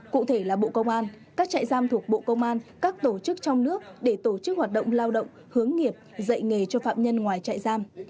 cụ thể là bộ công an các trại giam thuộc bộ công an các tổ chức trong nước để tổ chức hoạt động lao động hướng nghiệp dạy nghề cho phạm nhân ngoài trại giam